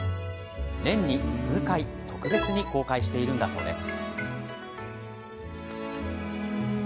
年に数回特別に公開しているんだそうです。